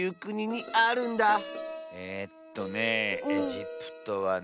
えっとねエジプトはね。